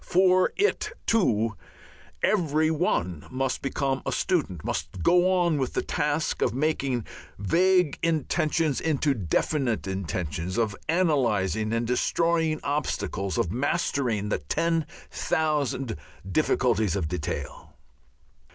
For it, too, every one must become a student, must go on with the task of making vague intentions into definite intentions, of analyzing and destroying obstacles, of mastering the ten thousand difficulties of detail....